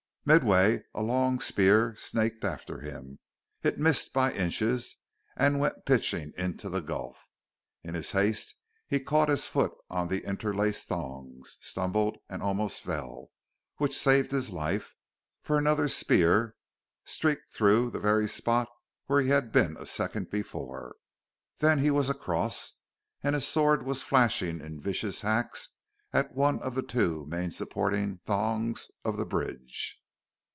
Midway a long spear snaked after him. It missed by inches, and went pitching into the gulf. In his haste he caught his foot on the interlaced thongs, stumbled and almost fell which saved his life, for another spear streaked through the very spot he had been a second before. Then he was across, and his sword was flashing in vicious hacks at one of the two main supporting thongs of the bridge.